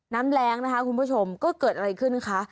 แรงนะคะคุณผู้ชมก็เกิดอะไรขึ้นคะ